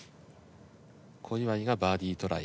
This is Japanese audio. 小祝がバーディートライ